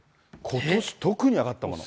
ことし特に上がったもの。